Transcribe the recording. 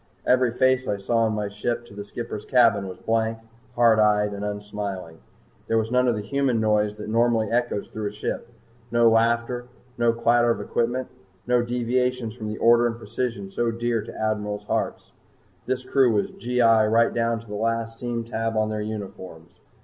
Every face I saw on my trip to the skipper's cabin was blank, hard eyed, and unsmiling. There was none of the human noise that normally echoes through a ship, no laughter, no clatter of equipment, no deviations from the order and precision so dear to admirals' hearts. This crew was G.I. right down to the last seam tab on their uniforms.